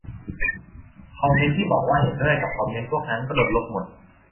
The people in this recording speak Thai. คอมเมนต์ที่บอกว่าเห็นด้วยกับคอนเมนต์พวกนั้น ก็โดนลบหมด